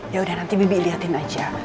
ya udah nanti bi bi liatin aja